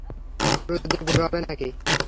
পুরা দেশ ঘুরাবে নাকি?